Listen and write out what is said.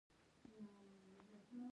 او ځمکه خپل درانه پېټي را وباسي